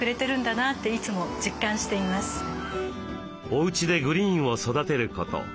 おうちでグリーンを育てること。